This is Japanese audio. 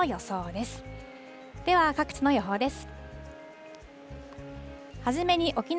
では、各地の予報です。